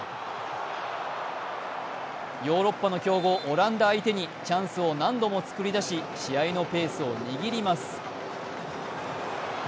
ヨーロッパの強豪・オランダ相手にチャンスを何度も作り出し試合のペースを握ります。